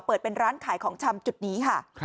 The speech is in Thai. เปิดเป็นร้านขายของชำจุดนี้ค่ะ